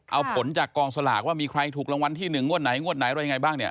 เอาผลจากกองสลากว่ามีใครถูกรางวัลที่๑งวดไหนงวดไหนอะไรยังไงบ้างเนี่ย